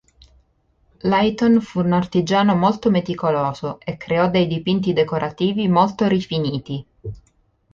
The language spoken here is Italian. Leighton fu un artigiano molto meticoloso e creò dei dipinti decorativi molto rifiniti.